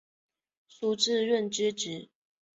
苏士润之侄。